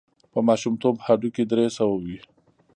په ماشومتوب هډوکي درې سوه وي.